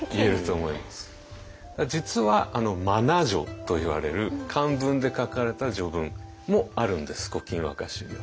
実は真名序といわれる漢文で書かれた序文もあるんです「古今和歌集」には。